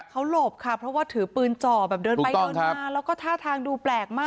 เขาหลบค่ะเพราะว่าถือปืนจ่อแบบเดินไปเดินมาแล้วก็ท่าทางดูแปลกมาก